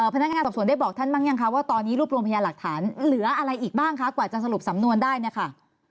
พนักงานสอบสวนได้บอกท่านบ้างยังคะว่าตอนนี้รวบรวมพยานหลักฐานเหลืออะไรอีกบ้างคะกว่าจะสรุปสำนวนได้เนี่ยค่ะ